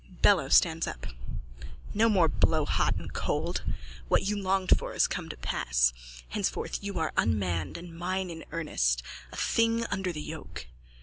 BELLO: (Stands up.) No more blow hot and cold. What you longed for has come to pass. Henceforth you are unmanned and mine in earnest, a thing under the yoke.